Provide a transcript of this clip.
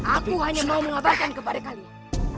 aku hanya mau mengatakan kepada kalian